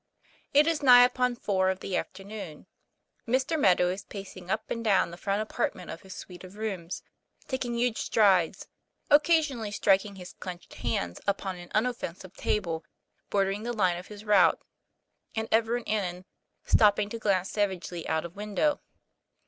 IT is nigh upon four of the afternoon. Mr. Meadow is pacing up and down the front apartment of his suite of rooms, taking huge strides, occasionally striking his clenched hands upon an unoffensive table bordering the line of his route, and ever and anon stopping to glance savagely out of window.